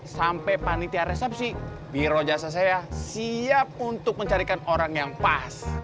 sampai panitia resepsi biro jasa saya siap untuk mencarikan orang yang pas